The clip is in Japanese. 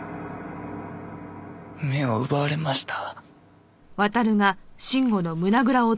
目を奪われました。